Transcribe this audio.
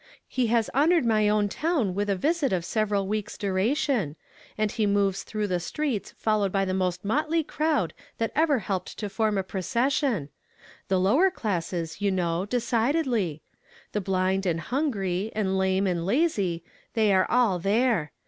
He lias honored my own town with a visit of sev eral W('o\ s' duration ; and he moves through the streets followed by the most motley crowd that ever helped to I'oi m a procession. The lower classes, you know, dccidcdlj'. The blind and hungry, and lame and lazy — they are all there.